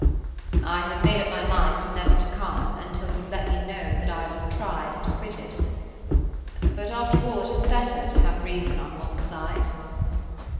"I had made up my mind never to come until you let me know that I was tried and acquitted But after all it is better to have reason on one's side."